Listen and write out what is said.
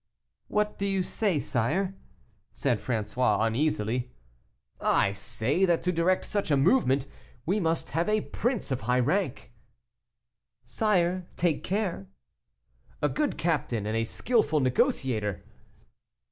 "What do you say, sire?" said François, uneasily. "I say, that to direct such a movement we must have a prince of high rank." "Sire, take care." "A good captain and a skilful negotiator."